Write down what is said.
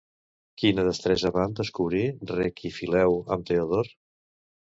Quina destresa van descobrir Rec i Fileu amb Teodor?